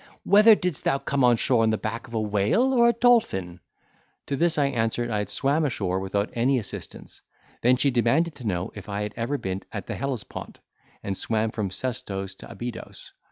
Whether didst thou come on shore on the back of a whale or a dolphin?" To this I answered, I had swam ashore without any assistance. Then she demanded to know if I had ever been at the Hellespont, and swam from Sestos to Abydos.